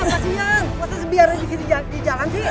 kasihan biar di jalan sih